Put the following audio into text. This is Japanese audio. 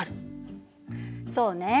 そうね。